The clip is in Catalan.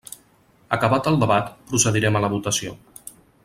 Acabat el debat, procedirem a la votació.